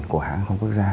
của hãng không quốc gia